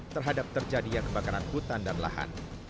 terhadap terjadinya kebakaran hutan dan lahan